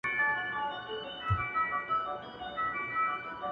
کهيېتخمونهدګناهدلتهکرليبيانو,